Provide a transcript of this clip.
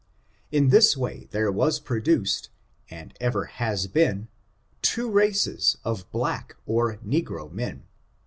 In this way there was produced, and ever has beeni two races of black or negro men.